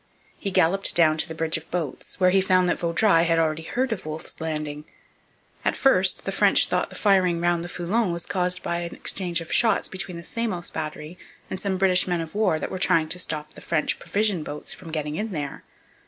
He galloped down to the bridge of boats, where he found that Vaudreuil had already heard of Wolfe's landing. At first the French thought the firing round the Foulon was caused by an exchange of shots between the Samos battery and some British men of war that were trying to stop the French provision boats from getting in there.